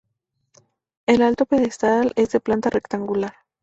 El alto pedestal es de planta rectangular.